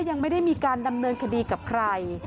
ยังไม่ได้มีการดำเนินคดีกับใคร